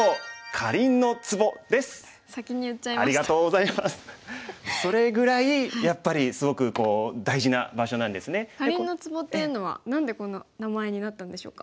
かりんのツボっていうのは何でこんな名前になったんでしょうか。